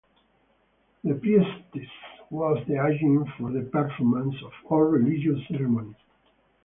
The priestess was the agent for the performance of all religious ceremonies.